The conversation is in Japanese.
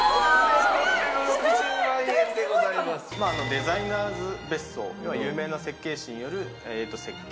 デザイナーズ別荘有名な設計士による設計。